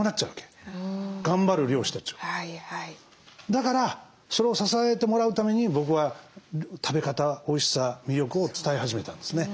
だからそれを支えてもらうために僕は食べ方おいしさ魅力を伝え始めたんですね。